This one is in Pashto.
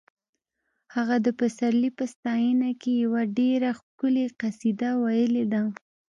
هغه د پسرلي په ستاینه کې یوه ډېره ښکلې قصیده ویلې ده